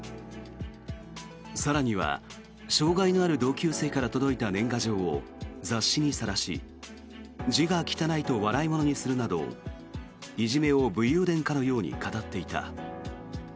更には、障害のある同級生から届いた年賀状を雑誌にさらし字が汚いと笑いものにするなどいじめを武勇伝かのように語っていた。